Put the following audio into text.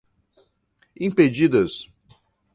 impedidas